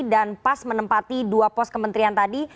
dan pas menempati dua pos kementerian tadi